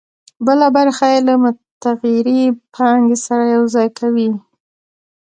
بله برخه یې له متغیرې پانګې سره یوځای کوي